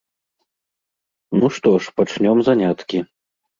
Ну што ж пачнём заняткі.